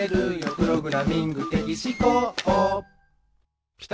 プログラミング的思考」